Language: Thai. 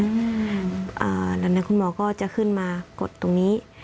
หลังจากนั้นคุณหมอก็จะขึ้นมากดตรงนี้